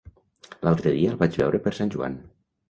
L'altre dia el vaig veure per Sant Joan.